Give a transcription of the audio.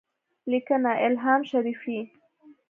لیکنه: الهام شریفی